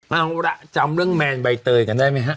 เอาล่ะจำเรื่องแมนใบเตยกันได้ไหมฮะ